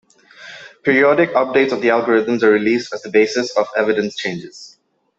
Periodic updates of the algorithms are released as the basis of evidence changes.